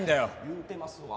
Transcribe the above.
言うてますわ。